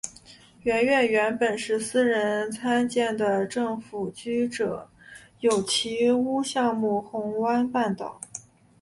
屋苑原本是私人参建的政府居者有其屋项目红湾半岛。